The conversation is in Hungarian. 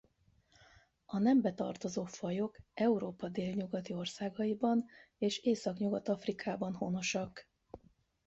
A nembe tartozó fajok Európa délnyugati országaiban és Északnyugat-Afrikában honosak.